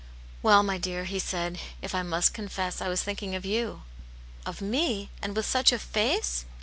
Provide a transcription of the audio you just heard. " Well, my dear," he said, " if I must confess, I was thinking of you." ." Of me ! And with such a face